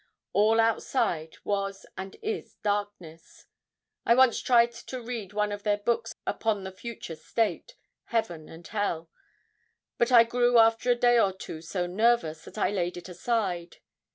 All outside was and is darkness. I once tried to read one of their books upon the future state heaven and hell; but I grew after a day or two so nervous that I laid it aside.